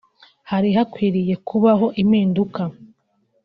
hari hakwiriye kubaho impinduka